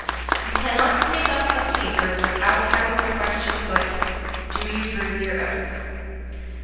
You cannot take up a paper without having the question put, "Do you bruise your oats?"